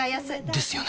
ですよね